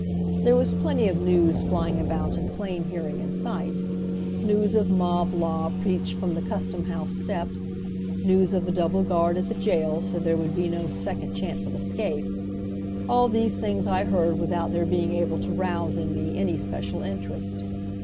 There was plenty of news flying about in plain hearing and sight news of mob law preached from the custom house steps; news of the double guard at the jail so there would be no second chance of escape all these things I heard without their being able to rouse in me any special interest.